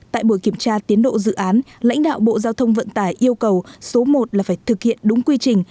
tại buổi kiểm tra tiến độ dự án lãnh đạo bộ giao thông vận tải yêu cầu số một là phải thực hiện đúng quy trình